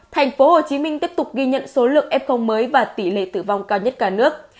thành phố hồ chí minh tiếp tục ghi nhận số lượng f mới và tỷ lệ tử vong cao nhất cả nước